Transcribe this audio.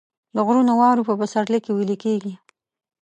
د غرونو واورې په پسرلي کې ویلې کیږي